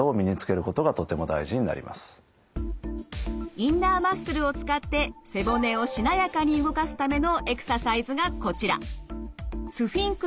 インナーマッスルを使って背骨をしなやかに動かすためのエクササイズがこちら。